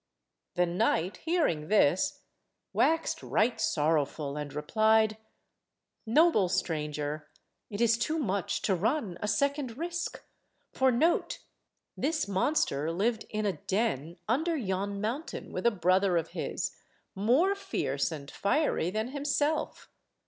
The knight, hearing this, waxed right sorrowful and replied— "Noble stranger, it is too much to run a second risk, for note, this monster lived in a den under yon mountain with a brother of his, more fierce and fiery than himself.